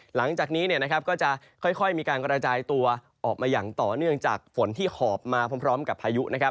หลังจากนี้ก็จะค่อยมีการกระจายตัวออกมาอย่างต่อเนื่องจากฝนที่หอบมาพร้อมกับพายุ